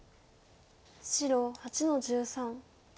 白８の十三。